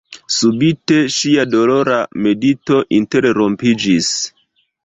Subite ŝia dolora medito interrompiĝis.